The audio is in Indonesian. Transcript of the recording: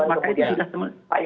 maka itu sudah semuanya